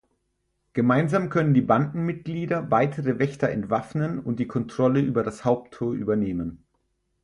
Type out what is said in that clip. Gemeinsam können die Bandenmitglieder weitere Wächter entwaffnen und die Kontrolle über das Haupttor übernehmen.